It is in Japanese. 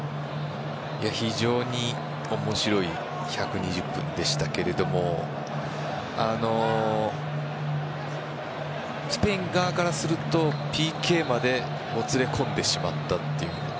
非常に面白い１２０分でしたけれどもスペイン側からするとＰＫまでもつれ込んでしまったということ。